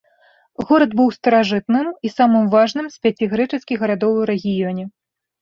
Горад быў старажытным і самым важным з пяці грэчаскіх гарадоў у рэгіёне.